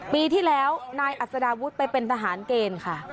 ปีที่แล้วนายอัศดาวุฒิไปเป็นทหารเกณฑ์ค่ะ